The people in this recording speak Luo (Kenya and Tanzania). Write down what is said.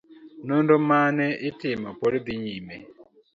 Nonro mane itimo pod dhi nyime.